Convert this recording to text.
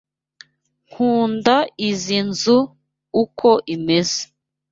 Nkunda izoi nzu uko imeze.